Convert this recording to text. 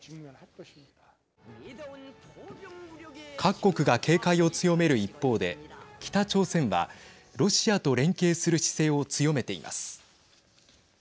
各国が警戒を強める一方で北朝鮮はロシアと連携する姿勢を強めています。